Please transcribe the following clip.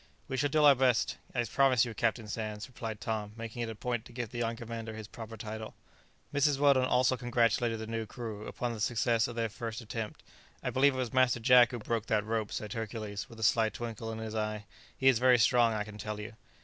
"We shall do our best, I promise you, Captain Sands," replied Tom, making it a point to give the young commander his proper title. Mrs. Weldon also congratulated the new crew upon the success of their first attempt. "I believe it was Master Jack who broke that rope," said Hercules, with a sly twinkle in his eye; "he is very strong, I can tell you."